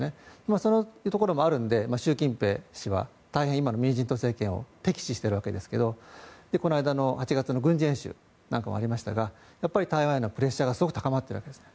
そのところもあるので習近平氏は大変今の民進党政権は敵視しているわけですがこの間の８月の軍事演習なんかもありましたが台湾へのプレッシャーがすごく高まっているわけです。